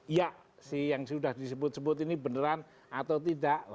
iya yang sudah disebut sebut ini beneran atau tidak